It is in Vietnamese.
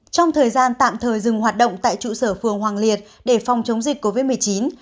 trong thời gian tạm thời dừng hoạt động tại trụ sở phường hoàng liệt để phòng chống dịch covid một mươi chín